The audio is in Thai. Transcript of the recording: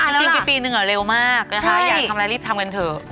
ถูกจริงปี๑เหล่ามากอยากทำได่รีบทำกันเถอะ